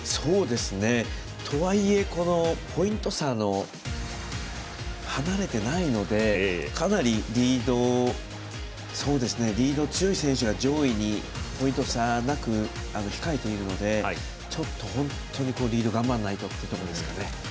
とはいえポイント差、離れていないのでかなりリード強い選手が上位にポイント差なく控えているのでちょっと、本当にリードを頑張らないとということですね。